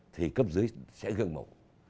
thì cấp dưới sẽ gương mẫu